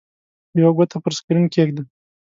یوه ګوته پر سکرین کېږده.